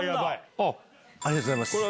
ありがとうございます。